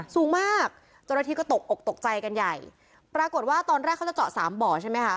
สูงมากเจ้าหน้าที่ก็ตกอกตกใจกันใหญ่ปรากฏว่าตอนแรกเขาจะเจาะสามบ่อใช่ไหมคะ